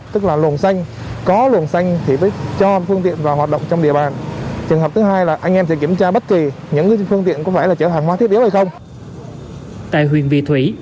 tại huyện vị thủy